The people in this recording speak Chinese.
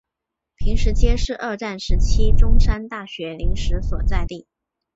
坪石街是二战时期中山大学临时所在地。